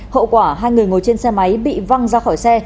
hậu quả hai người ngồi trên xe máy bị văng ra khỏi xe